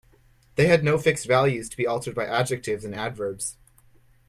They had no fixed values, to be altered by adjectives and adverbs.